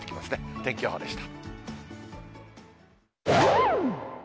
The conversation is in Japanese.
天気予報でした。